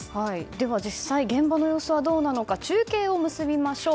では実際現場の様子はどうなのか中継を結びましょう。